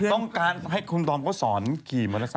ต้องการให้คุณดอมเขาสอนขี่มอเตอร์ไซค